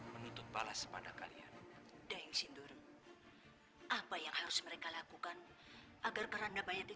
ketika kita berdua kita tidak bisa menemukan keti